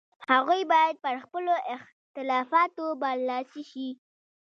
هغوی باید پر خپلو اختلافاتو برلاسي شي.